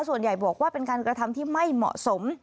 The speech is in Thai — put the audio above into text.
ส่วนใหญ่บอกว่าเป็นการกระทำที่ไม่เหมาะสม